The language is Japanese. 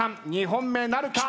２本目なるか。